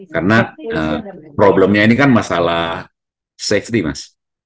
karena problemnya ini kan masalah safety mas